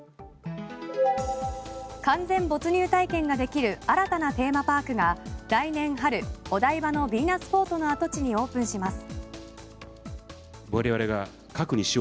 完全没入体験ができる新たなテーマパークが来年春お台場のヴィーナスフォートの跡地にオープンします。